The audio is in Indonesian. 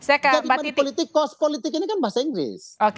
jadi manipulatif kos politik ini kan bahasa inggris